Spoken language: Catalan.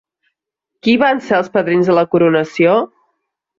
Qui van ser els padrins de la coronació?